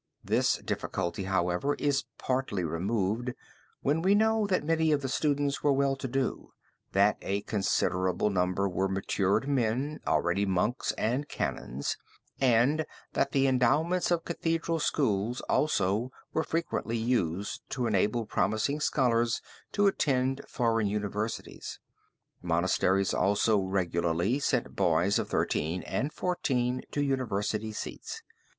This difficulty, however, is partly removed when we know that many of the students were well to do, that a considerable number were matured men, already monks and canons, and that the endowments of Cathedral schools also were frequently used to enable promising scholars to attend foreign universities. Monasteries also regularly sent boys of thirteen and fourteen to university seats.